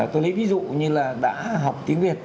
tôi lấy ví dụ như là đã học tiếng việt